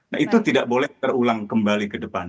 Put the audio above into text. nah itu tidak boleh terulang kembali ke depan